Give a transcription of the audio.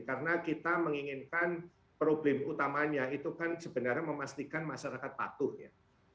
karena kita menginginkan problem utamanya itu kan sebenarnya memastikan masyarakat patuh ya